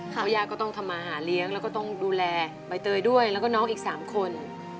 เพราะย่าก็ต้องทำมาหาเลี้ยงแล้วก็ต้องดูแลใบเตยด้วยแล้วก็น้องอีก๓คน